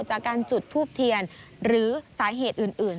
จากการจุดทูบเทียนหรือสาเหตุอื่น